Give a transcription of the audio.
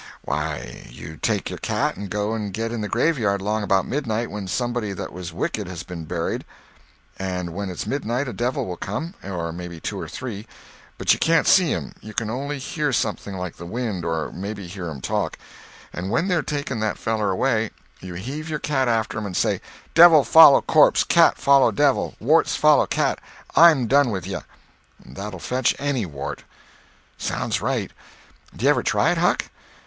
"Why, you take your cat and go and get in the grave yard 'long about midnight when somebody that was wicked has been buried; and when it's midnight a devil will come, or maybe two or three, but you can't see 'em, you can only hear something like the wind, or maybe hear 'em talk; and when they're taking that feller away, you heave your cat after 'em and say, 'Devil follow corpse, cat follow devil, warts follow cat, I'm done with ye!' That'll fetch any wart." "Sounds right. D'you ever try it, Huck?"